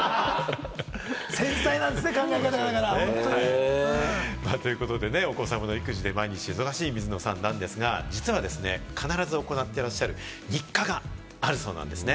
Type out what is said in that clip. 繊細なんですね、考え方が。ということでね、お子様の育児で毎日忙しい水野さんなんですが、実は必ず行ってらっしゃる日課があるそうなんですね。